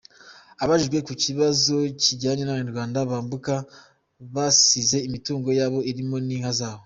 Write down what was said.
Abajijwe ku kibazo kijyanye n’Abanyarwanda bambuka basize imitungo yabo irimo n’inka zabo.